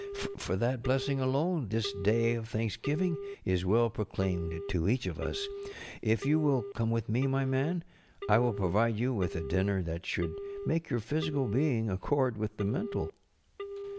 For that blessing alone this day of thanks┬¼ giving is well proclaimed to each of us. If you will come with me, my man, I will provide you with a dinner that should make your physical being accord with the mental.